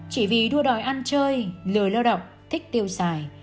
chỉ vì đua đòi ăn chơi lừa lao động thích tiêu xài